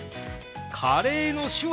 「カレー」の手話